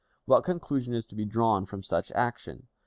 What conclusion is to be drawn from such action?